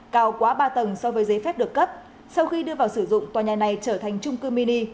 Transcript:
cao quá ba tầng so với giấy phép được cấp sau khi đưa vào sử dụng tòa nhà này trở thành trung cư mini